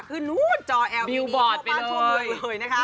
ขึ้นนู้นจอแอลล์ปีนี้เข้าบ้านทั่วเมืองเลยนะคะ